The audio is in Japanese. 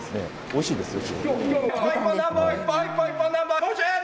おいしいですよ。